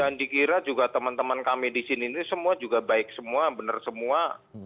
dikira juga teman teman kami di sini ini semua juga baik semua benar semua